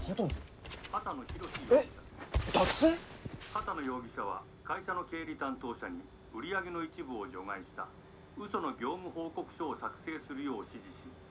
「波多野容疑者は会社の経理担当者に売り上げの一部を除外したうその業務報告書を作成するよう指示し」。